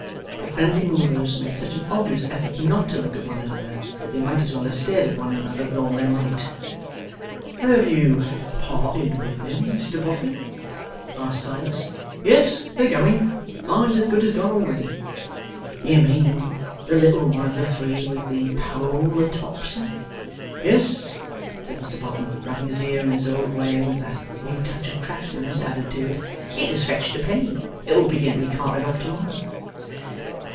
The friendly movers made such an obvious effort not to look at one another, that they might as well have stared at one another with all their might. 'Have you parted with them, Mr Boffin?' asked Silas. 'Yes; they're going. Mine's as good as gone already.' 'You mean the little one of the three, with the pole atop, sir.' 'Yes,' said Mr Boffin, rubbing his ear in his old way, with that new touch of craftiness added to it. 'It has fetched a penny. It'll begin to be carted off to morrow.